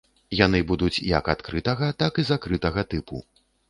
Яны будуць як адкрытага, так і закрытага тыпу.